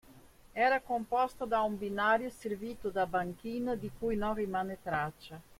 Era composta da un binario servito da banchina di cui non rimane traccia.